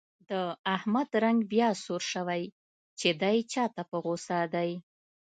د احمد رنګ بیا سور شوی، چې دی چا ته په غوسه دی.